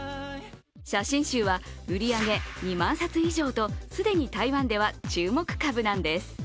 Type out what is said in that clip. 写真集は売り上げ２万冊以上と既に台湾では注目株なんです。